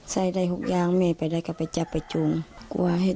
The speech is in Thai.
สูกค่ะ